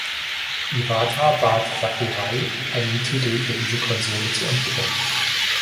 Iwata bat Sakurai, einen Titel für diese Konsole zu entwickeln.